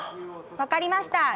わかりました。